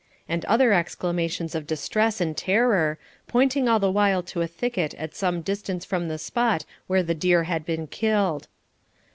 and other exclamations of distress and terror, pointing all the while to a thicket at some distance from the spot where the deer had been killed.